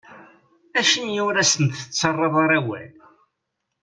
Acimi ur asent-tettarraḍ ara awal?